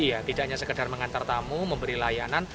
banyak yang sekedar mengantar tamu memberi layanan